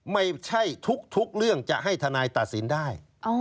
ไม่ใช่ทุกเรื่องจะให้ทนายตัดสินได้